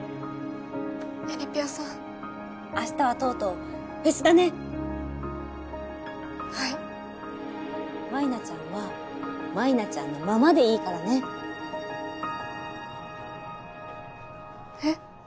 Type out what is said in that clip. えりぴよさん明日はとうとうフェスだねはい舞菜ちゃんは舞菜ちゃんのままでいいからねえっ